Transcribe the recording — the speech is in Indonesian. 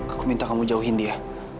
aku minta kamu jauhin dia